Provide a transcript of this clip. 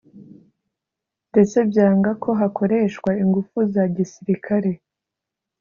ndetse byanga ko hakoreshwa ingufu za gisirikare